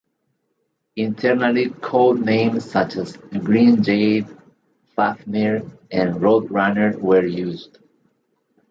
Internally, code names such as Green Jade, Fafnir, and Roadrunner were used.